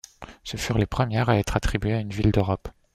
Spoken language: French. Ce furent les premières à être attribuées à une ville d'Europe.